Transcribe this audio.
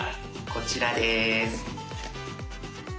こちらです。